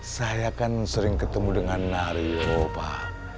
saya kan sering ketemu dengan nario pak